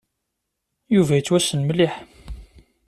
Yuba yettwassen mliḥ.